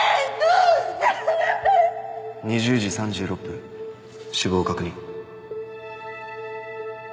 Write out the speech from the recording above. ２０時３６分死亡確認